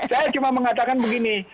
saya cuma mengatakan begini